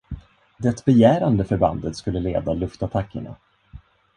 Det begärande förbandet skulle leda luftattackerna.